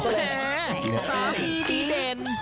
อะแหย่สามีดีเด่น